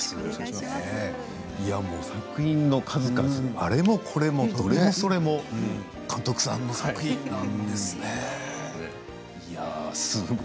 作品の数々あれもこれもどれもそれも監督さんの作品なんですね。